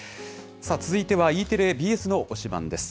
続いては、Ｅテレ、ＢＳの推しバンです。